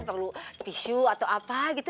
perlu tisu atau apa gitu